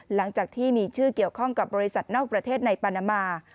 หลังจากที่มีชื่อเกี่ยวข้องกับบริษัทนอกประเทศในปานามา